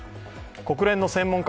国連の専門家